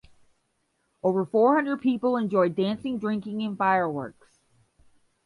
Over four hundred people enjoyed dancing, drinking and fireworks.